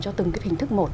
cho từng cái hình thức một